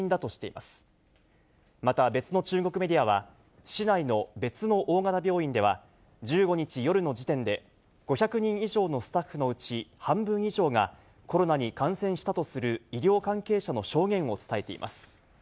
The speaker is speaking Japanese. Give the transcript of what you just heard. また別の中国メディアは、市内の別の大型病院では、１５日夜の時点で、５００人以上のスタッフのうち半分以上が、コロナに感染したとする医療関係者の証言を伝えています。